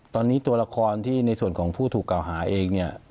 ตอนนี้ตัวละครที่ในส่วนของผู้ถูกกล่าวหาเองเนี่ย